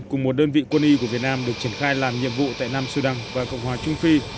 cùng một đơn vị quân y của việt nam được triển khai làm nhiệm vụ tại nam sudan và cộng hòa trung phi